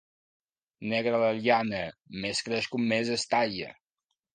Negra la llana, més creix com més es talla.